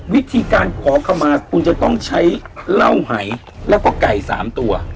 วิธีการขอขมาคุณจะต้องใช้เหล้าหายแล้วก็ไก่๓ตัว